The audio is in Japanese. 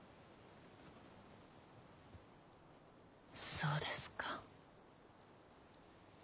そうですか。